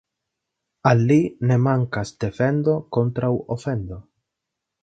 Al li ne mankas defendo kontraŭ ofendo.